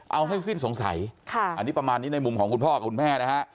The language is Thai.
เอาให้สิ้นสงสัยอันนี้ประมาณนี้ในมุมของคุณพ่อกับคุณแม่นะฮะ